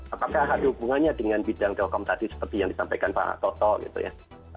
apakah ada hubungannya dengan bidang telkom tadi seperti yang disampaikan pak toto gitu ya